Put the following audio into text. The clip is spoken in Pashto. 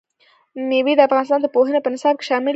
مېوې د افغانستان د پوهنې په نصاب کې شامل دي.